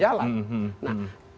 jadi kita harus berjalan